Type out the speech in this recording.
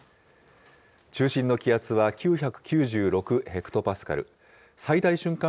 中心の気圧は９９６ヘクトパスカル、最大瞬間